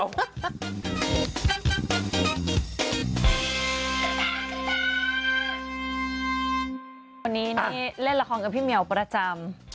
วันนี้เล่นละครกับพี่แมวประจำ